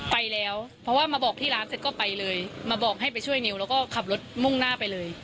ไปแล้วเพราะว่ามาบอกที่ร้านเสร็จก็ไปเลยมาบอกให้ไปช่วยนิวแล้วก็ขับรถมุ่งหน้าไปเลย